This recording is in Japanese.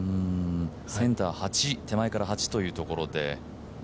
センター手前から８というところで。